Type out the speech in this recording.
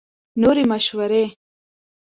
نورې مشورې